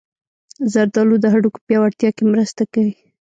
زردالو د هډوکو پیاوړتیا کې مرسته کوي.